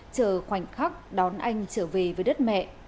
chờ khoảnh khắc đón anh trở về với đất mẹ